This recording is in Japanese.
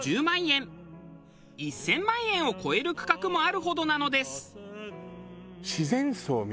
１０００万円を超える区画もあるほどなのです。